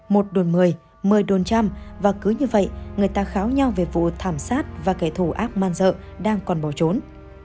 một đồn mười mười đồn trăm và cứ như vậy người ta kháo nhau về vụ thảm sát và kẻ thù ác man dợ đang còn bỏ trốn